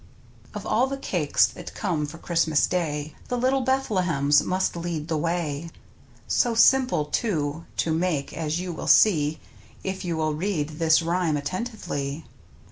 Of all the cakes that come for Christmas Day The little Bethlehems must lead the way, So simple, too, to make, as you will see If you will read this rhyme attentively.